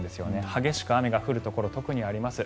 激しく雨が降るところ特にあります。